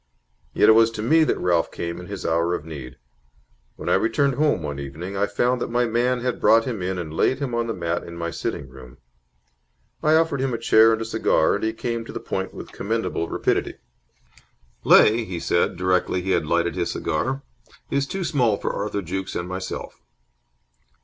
Yet it was to me that Ralph came in his hour of need. When I returned home one evening, I found that my man had brought him in and laid him on the mat in my sitting room. I offered him a chair and a cigar, and he came to the point with commendable rapidity. "Leigh," he said, directly he had lighted his cigar, "is too small for Arthur Jukes and myself."